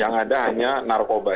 yang ada hanya narkoba